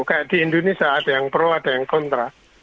kayak di indonesia ada yang pro ada yang kontra